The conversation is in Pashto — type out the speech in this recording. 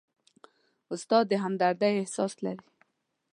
استاد د همدردۍ احساس لري.